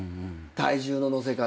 体重の乗せ方。